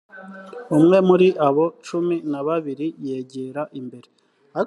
umwe muri abo cumi na babiri yegera imbere